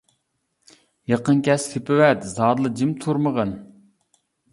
يېقىن كەلسە تېپىۋەت، زادىلا جىم تۇرمىغىن.